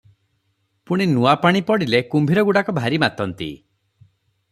ପୁଣି ନୂଆ ପାଣି ପଡ଼ିଲେ କୁମ୍ଭୀର ଗୁଡ଼ିକ ଭାରି ମାତନ୍ତି ।